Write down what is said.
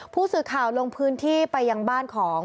ผู้สื่อข่าวลงพื้นที่ไปยังบ้านของ